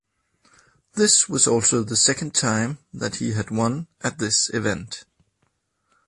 This was also the second time that he had won at this event.